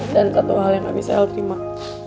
dan satu hal yang gak bisa elu dimak